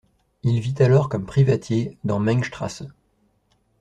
Il vit alors comme privatier dans Mengstraße.